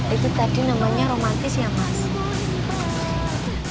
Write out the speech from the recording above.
itu tadi namanya romantis ya mas